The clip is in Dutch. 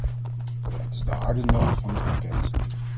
Het is de harde noot van het pakket.